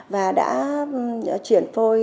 và đã chuyển phôi